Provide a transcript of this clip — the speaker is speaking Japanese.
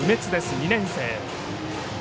２年生。